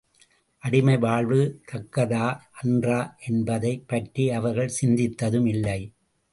அடிமை வாழ்வு தக்கதா அன்றா என்பதைப் பற்றி அவர்கள் சிந்தித்ததும் இல்லை.